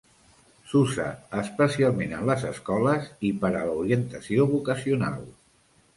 S'usa especialment en les escoles i per a l'orientació vocacional.